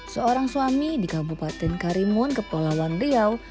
seorang suami di kabupaten karimun kepulauan riau